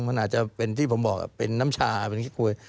มันอาจจะเป็นที่ผมบอกเป็นน้ำชาเป็นขี้กลวย